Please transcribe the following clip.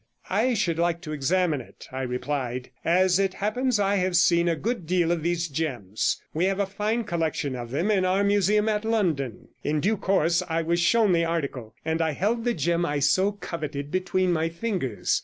"I should like to examine it," I replied, "as it happens I have seen a good deal of these gems. We have a fine collection of them in our Museum at London." In due course I was shown the article, and I held the gem I so coveted between my fingers.